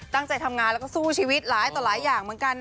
ตั้งใจทำงานแล้วก็สู้ชีวิตหลายต่อหลายอย่างเหมือนกันนะ